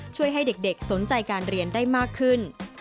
ช่วยให้เด็กสนใจการเรียนได้มากขึ้น